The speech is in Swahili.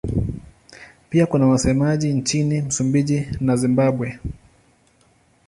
Pia kuna wasemaji nchini Msumbiji na Zimbabwe.